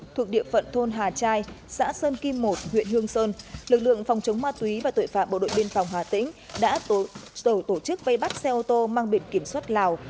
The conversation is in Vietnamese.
thuộc địa phận thôn hà trai xã sơn kim một huyện hương sơn lực lượng phòng chống ma túy và tội phạm bộ đội biên phòng hà tĩnh đã tổ chức vây bắt xe ô tô mang biển kiểm soát lào